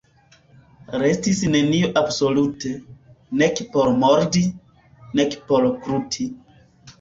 Restis nenio absolute, nek por mordi, nek por gluti.